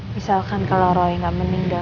misalkan kalau roy nggak meninggal